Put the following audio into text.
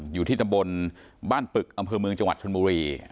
อยู่ที่ตำบลบ้านปึกอำเภอเมืองจังหวัดชนบุรี